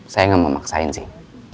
saya gak mau maksain sih